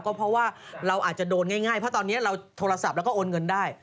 ก็เพราะว่าเราอาจจะโดนง่ายเพราะตอนนี้เราโทรศัพท์แล้วก็โอนเงินได้